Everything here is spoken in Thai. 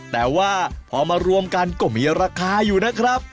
แต่ว่าพอมารวมกันก็มีราคาอยู่นะครับ